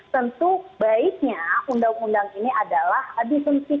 tentu baiknya undang undang ini tidak akan terima pertolongan